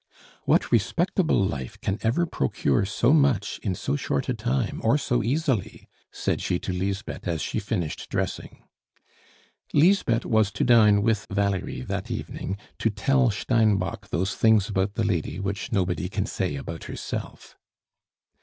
"What respectable life can ever procure so much in so short a time, or so easily?" said she to Lisbeth as she finished dressing. Lisbeth was to dine with Valerie that evening, to tell Steinbock those things about the lady which nobody can say about herself.